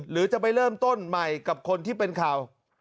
หรือจะไปเริ่มต้นใหม่กับคนที่เป็นข่าว